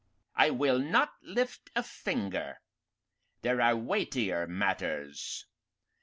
"I will not lift a finger. There are weightier matters.